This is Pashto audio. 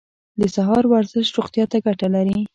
د سهار ورزش روغتیا ته ګټه لري.